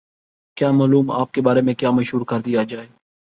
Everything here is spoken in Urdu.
کیا معلوم آپ کے بارے میں کیا مشہور کر دیا جائے؟